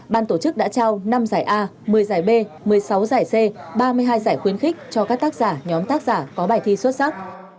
ban tổ chức đã trao năm giải a một mươi giải b một mươi sáu giải c ba mươi hai giải khuyến khích cho các tác giả nhóm tác giả có bài thi xuất sắc